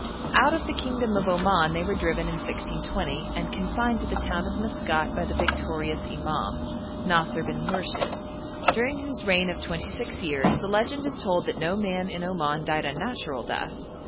Out of the kingdom of Oman they were driven in 1620, and confined to the town of Maskat by the victorious imam, Nasir bin Murshid, during whose reign of twenty six years the legend is told that no man in Oman died a natural death.